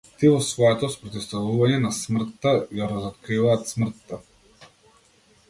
Тие во своето спротивставување на смртта ја разоткриваат смртта.